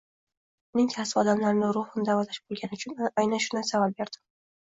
Uning kasbi odamlarni ruhini davolash bo’lgani uchun atay shu savolni berdim.